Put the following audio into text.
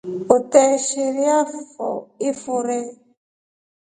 Uteeshirefo ifure.